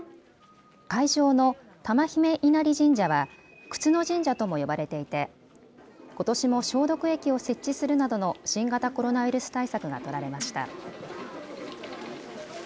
会場の玉姫稲荷神社は、くつの神社とも呼ばれていて、ことしも消毒液を設置するなどの新型コロナウイルス対策が取られました。